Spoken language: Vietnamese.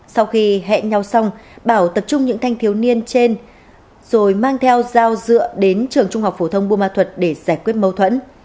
sau khi hẹn nhau xong bảo tập trung những thanh thiếu niên trên rồi mang theo dao dựa đến trường trung học phổ thông buôn ma thuật để giải quyết mâu thuẫn